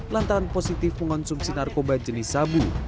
lantaran positif mengonsumsi narkoba jenis sabu